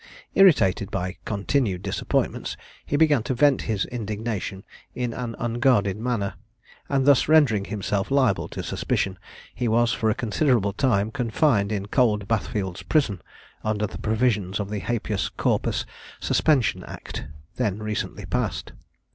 Irritated by continued disappointments, he began to vent his indignation in an unguarded manner, and thus rendering himself liable to suspicion, he was for a considerable time confined in Cold Bath fields' Prison, under the provisions of the Habeas Corpus Suspension Act, then recently passed.